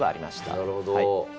なるほど。